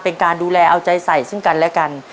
เป็นการดูแลเอาใจใส่ซึ่งกันและกัน